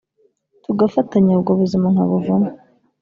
tugafatanya ubwo buzima nkabuvamo